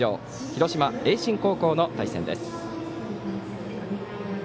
広島・盈進高校の対戦です。